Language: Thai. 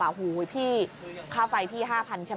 โอ้โหพี่ค่าไฟพี่๕๐๐ใช่ไหม